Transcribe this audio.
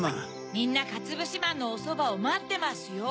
みんなかつぶしまんのおそばをまってますよ。